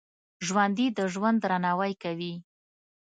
ژوندي د ژوند درناوی کوي